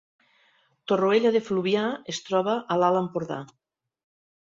Torroella de Fluvià es troba a l’Alt Empordà